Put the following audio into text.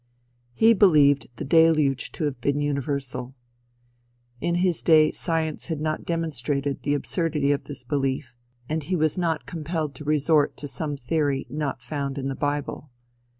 He believed the deluge to have been universal. In his day science had not demonstrated the absurdity of this belief, and he was not compelled to resort to some theory not found in the bible.